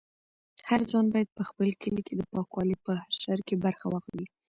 هر ځوان باید په خپل کلي کې د پاکوالي په حشر کې برخه واخلي.